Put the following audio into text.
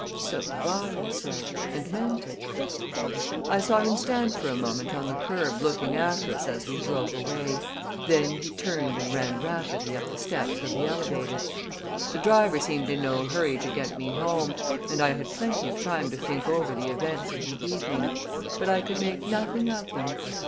"So do I," I said, and meant it. I saw him stand for a moment on the curb looking after us as we drove away, then he turned and ran rapidly up the steps of the Elevated. The driver seemed in no hurry to get me home, and I had plenty of time to think over the events of the evening, but I could make nothing of them.